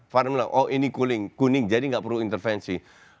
far bilang oh ini kuning jadi tidak perlu intervensi